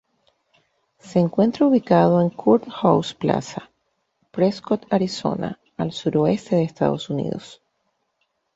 Se encuentra ubicado en Courthouse Plaza, Prescott, Arizona al suroeste de Estados Unidos.